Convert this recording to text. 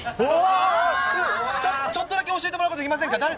ちょっとだけ教えてもらうことできませんか？